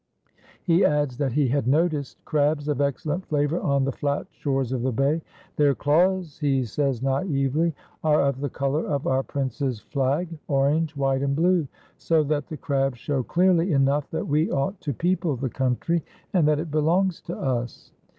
He adds that he has noticed crabs of excellent flavor on the flat shores of the bay. "Their claws," he says naïvely, "are of the color of our Prince's flag, orange, white and blue, so that the crabs show clearly enough that we ought to people the country and that it belongs to us."